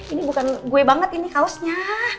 ini bukan gue banget ini kaosnya